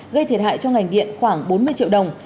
gây thiệt hại cho ngành điện khoảng bốn mươi triệu đồng